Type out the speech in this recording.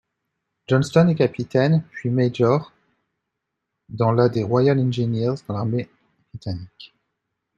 Johnston est capitaine puis major dans la des Royal Engineers dans l'armée britannique.